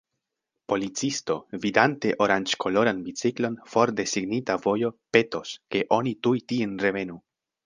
Policisto, vidante oranĝkoloran biciklon for de signita vojo, petos, ke oni tuj tien revenu.